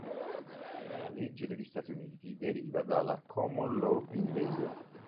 La legge negli Stati Uniti deriva dalla common law inglese.